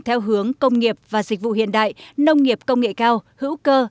theo hướng công nghiệp và dịch vụ hiện đại nông nghiệp công nghệ cao hữu cơ